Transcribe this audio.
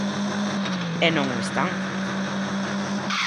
E non o están.